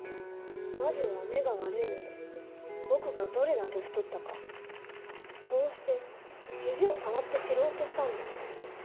魔女は目が悪いので僕がどれだけ太ったかこうして指を触って知ろうとしたんです。